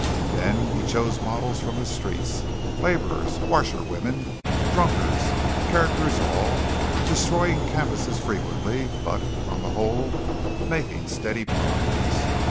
Then he chose models from the streets, laborers, washerwomen, drunkards characters all, destroying canvases frequently, but, on the whole, making steady progress.